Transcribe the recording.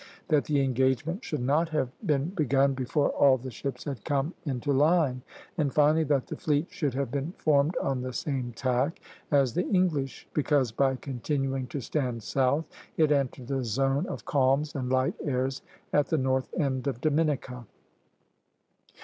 that the engagement should not have been begun before all the ships had come into line; and finally, that the fleet should have been formed on the same tack as the English, because, by continuing to stand south, it entered the zone of calms and light airs at the north end of Dominica.